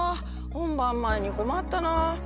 本番前に困ったな。